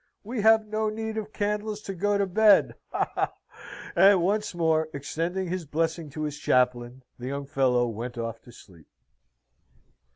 We have no need of candles to go to bed, ha, ha!" And once more extending his blessing to his chaplain, the young fellow went off to sleep.